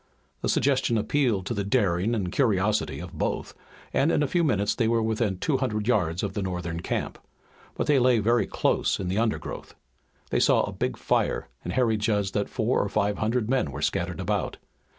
The suggestion appealed to the daring and curiosity of both, and in a few minutes they were within two hundred yards of the Northern camp. But they lay very close in the undergrowth. They saw a big fire and Harry judged that four or five hundred men were scattered about.